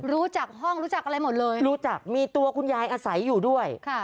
รู้จักห้องรู้จักอะไรหมดเลยรู้จักมีตัวคุณยายอาศัยอยู่ด้วยค่ะ